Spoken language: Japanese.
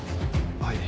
はい。